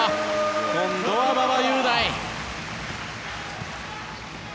今度は馬場雄大。